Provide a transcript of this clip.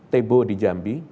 tebo di jambi